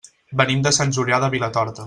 Venim de Sant Julià de Vilatorta.